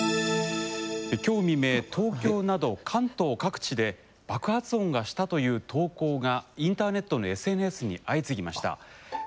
きょう未明、東京など関東各地で、爆発音がしたという投稿が、インターネットのＳＮＳに相次ぎました。